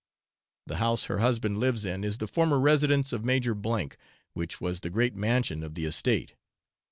The house her husband lives in is the former residence of Major , which was the great mansion of the estate.